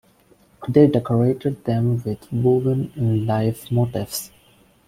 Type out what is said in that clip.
They decorated them with woven-in life motifs.